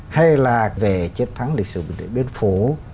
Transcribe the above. hay là về trên tháng lịch sử biến phố